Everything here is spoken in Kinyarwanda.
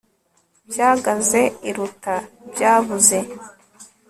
byagaze iruta byabuze